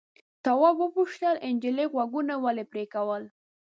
تواب وپوښتل نجلۍ غوږونه ولې پرې کول.